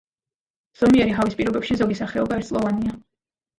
ზომიერი ჰავის პირობებში ზოგი სახეობა ერთწლოვანია.